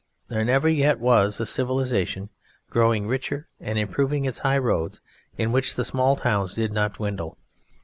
There never yet was a civilisation growing richer and improving its high roads in which the small towns did not dwindle.